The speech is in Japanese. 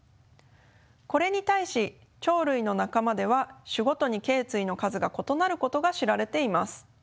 これに対し鳥類の仲間では種ごとにけい椎の数が異なることが知られています。